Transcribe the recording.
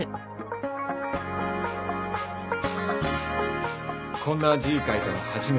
こんな字書いたの初めてだよ。